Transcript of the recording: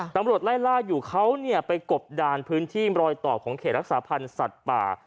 ตำรวจไล่ล่าอยู่เขาไปกบดานพื้นที่รอยต่อของเขตรักษาพันธ์สัตว์ป่า